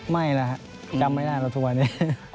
ไม่แล้วครับจำไม่ได้ว่าทั่วนี้